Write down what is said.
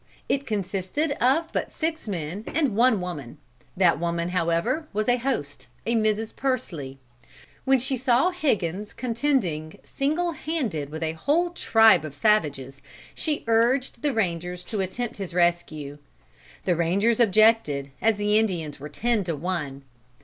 It consisted of but six men and one woman; that woman, however, was a host a Mrs. Pursley. When she saw Higgins contending single handed with a whole tribe of savages, she urged the rangers to attempt his rescue. The rangers objected, as the Indians were ten to one.